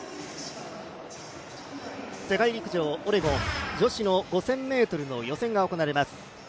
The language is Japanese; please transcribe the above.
世界陸上オレゴン女子５０００ｍの予選が行われます。